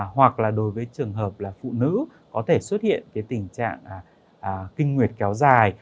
hoặc là đối với trường hợp là phụ nữ có thể xuất hiện cái tình trạng kinh nguyệt kéo dài